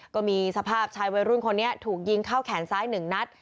ก็มีสภาพชายวัยรุ่นคนนี้ถูกยิงเข้าแขนซ้าย๑นัด